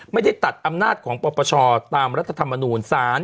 ไม่ได้ตัดอำนาจของปปชตามรัฐธรรมนูล